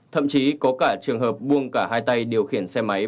thậm chí có cả trường hợp buông cả hai tay điều khiển xe máy